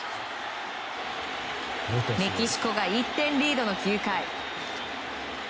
メキシコが１点リードの９回。